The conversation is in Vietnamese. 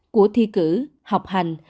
của thi cử học hành